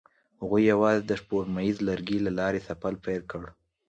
هغوی یوځای د سپوږمیز لرګی له لارې سفر پیل کړ.